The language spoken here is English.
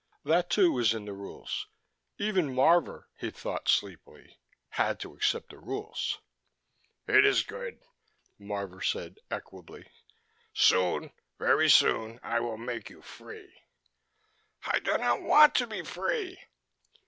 That, too, was in the rules: even Marvor, he thought sleepily, had to accept the rules. "It is good," Marvor said equably. "Soon, very soon, I will make you free." "I do not want to be free."